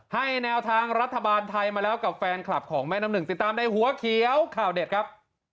ให้แนวทางรัฐบาลไทยมาแล้วกับแฟนคลับของแม่น้ำหนึ่งติดตามในหัวเขียวข่าวเด็ดครับ